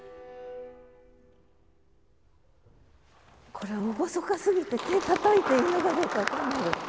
これ厳かすぎて手たたいていいのかどうか分かんないよ。